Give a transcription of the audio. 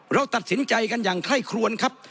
เราตัดสินใจกันอย่างไคร่ครวนครับ